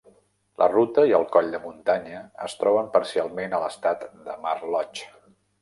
La ruta i el coll de muntanya es troben parcialment a l'Estat de Mar Lodge.